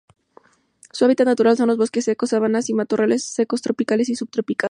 Su hábitat natural son los bosques secos, sabanas y matorrales secos tropicales y subtropicales.